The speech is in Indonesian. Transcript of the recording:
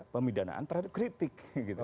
pemidanaan terhadap kritik